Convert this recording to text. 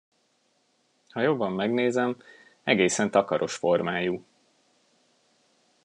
Ha jobban megnézem, egészen takaros formájú.